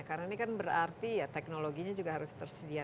karena ini kan berarti teknologinya juga harus tersedia